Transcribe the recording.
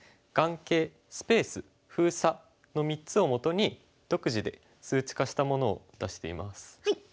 眼形スペース封鎖の３つをもとに独自で数値化したものを出しています。